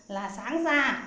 là sáng ra